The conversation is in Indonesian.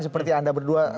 seperti anda berdua